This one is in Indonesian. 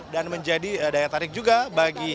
dan menjadi daya tarik juga bagi